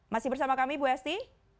masih bersama kami bu esti